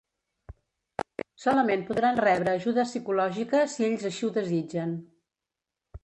Solament podran rebre ajuda psicològica si ells així ho desitgen.